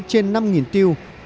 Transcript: trên năm tiêu